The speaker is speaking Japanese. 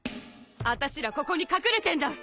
あたしらここに隠れてんだ！